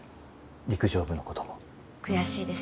陸上部のことも悔しいです